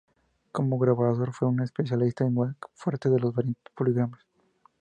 Como grabador fue un especialista en aguafuertes en las variantes policromadas.